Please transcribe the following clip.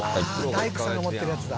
「ああ大工さんが持ってるやつだ」